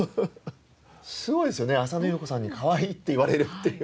すごいですよね浅野ゆう子さんにかわいいって言われるっていうのが。